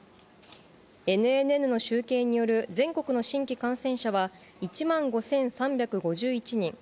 ＮＮＮの集計による全国の新規感染者は１万５３５１人。